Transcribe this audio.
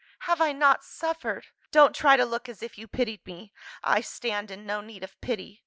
Have I not suffered? Don't try to look as if you pitied me. I stand in no need of pity.